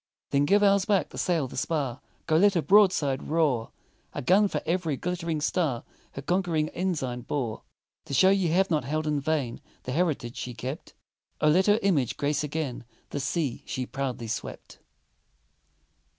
Then give ours back, the sail, the spar Go let her broadside roar! A gun for every glit'ring star Her conquering ensign bore. To show ye have not held in vain The heritage she kept, Oh, let her image grace again The sea she proudly swept!